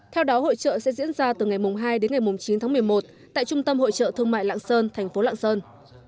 theo đó hội trợ sẽ diễn ra từ ngày hai đến ngày chín tháng một mươi một tại trung tâm hội trợ thương mại lạng sơn thành phố lạng sơn